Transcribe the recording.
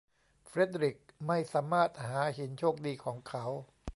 เฟรดดริคไม่สามารถหาหินโชคดีของเขา